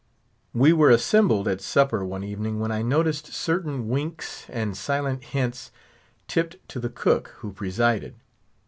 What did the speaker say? We were assembled at supper one evening when I noticed certain winks and silent hints tipped to the cook, who presided.